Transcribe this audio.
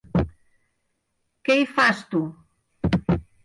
Què hi fas tu?